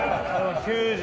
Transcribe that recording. ９０